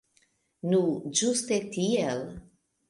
Nu, ĝuste tiel.